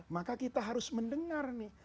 maka kita harus mendengar nih